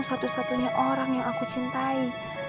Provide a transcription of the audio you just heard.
satu satunya orang yang aku cintai